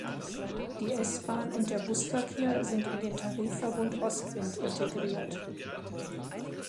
Die S-Bahn und der Busverkehr sind in den Tarifverbund Ostwind integriert.